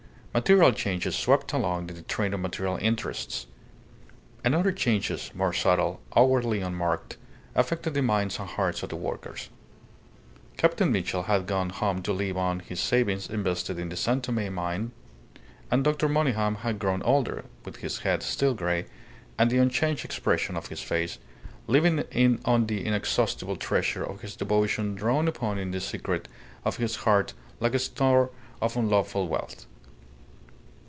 Material changes swept along in the train of material interests. And other changes more subtle, outwardly unmarked, affected the minds and hearts of the workers. Captain Mitchell had gone home to live on his savings invested in the San Tome mine; and Dr. Monygham had grown older, with his head steel grey and the unchanged expression of his face, living on the inexhaustible treasure of his devotion drawn upon in the secret of his heart like a store of unlawful wealth.